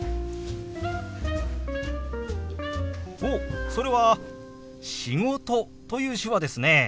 おっそれは「仕事」という手話ですね。